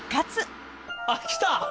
あっ来た！